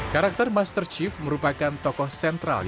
karakter master chief merupakan tokoh sejarah yang mencari penyelamat